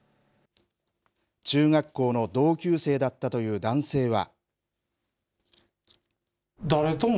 中学校の同級生だったという男性は。